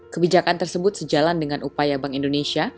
kebijakan tersebut sejalan dengan upaya bank indonesia